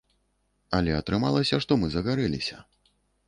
Але атрымалася, што мы загарэліся.